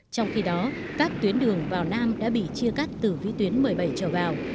trong khi đó các tuyến đường vào nam đã bị chia cắt từ vĩ tuyến một mươi bảy trở vào